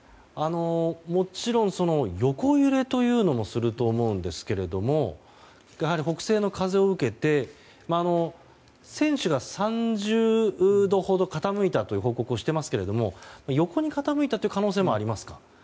もちろん横揺れもすると思うんですが北西の風を受けて船首が３０度ほど傾いたという報告をしていますけれども横に傾いた可能性もありますか？